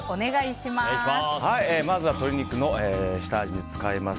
まずは鶏肉の下味に使います